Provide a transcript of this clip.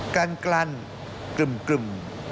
กลั้นกึ่ม